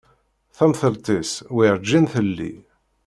Tamtilt-is werǧin telli.